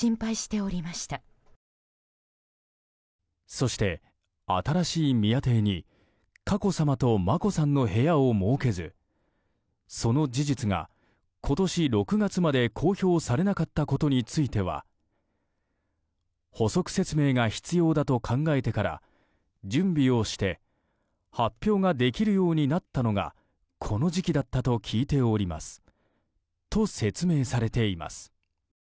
そして新しい宮邸に佳子さまと眞子さんの部屋を設けずその事実が今年６月まで公表されなかったことについては補足説明が必要だと考えてから準備をして発表ができるようになったのがこの時期だったと聞いておりますと説明されています。